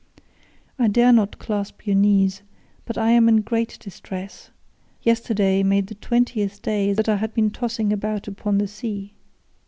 I dare not clasp your knees, but I am in great distress; yesterday made the twentieth day that I had been tossing about upon the sea.